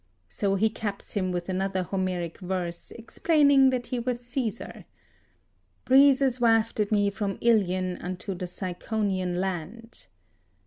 So he caps him with another Homeric verse, explaining that he was Caesar: "Breezes wafted me from Ilion unto the Ciconian land." [Sidenote: Od.